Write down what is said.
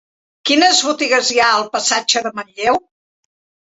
Quines botigues hi ha al passatge de Manlleu?